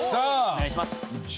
お願いします。